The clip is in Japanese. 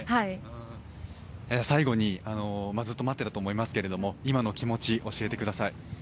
最後に、ずっと待ってると思いますけれども、今の気持ち、教えてください。